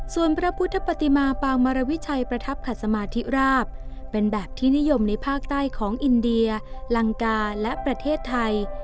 ส่วนพระพุทธปฏิมาปางมารวิชัยประทับขัดสมาธิราบเป็นแบบที่นิยมในภาคใต้ของอินเดียลังกาและประเทศไทย